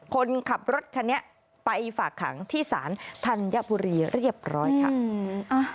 คนขับรถคันนี้ไปฝากขังที่ศาลธัญบุรีเรียบร้อยค่ะ